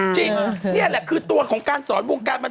แองจีต้องมึงตอขนาด